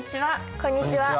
こんにちは。